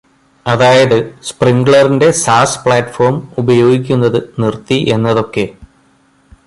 അതായത് സ്പ്രിങ്ക്ലറിന്റെ സാസ് പ്ലാറ്റ്ഫോം ഉപയോഗിക്കുന്നത് നിർത്തി എന്നതൊക്കെ